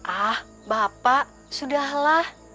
ah bapak sudah lah